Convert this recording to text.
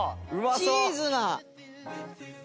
チーズが！